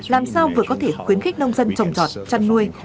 làm sao vừa có thể khuyến khích nông dân trồng trọt chăn nuôi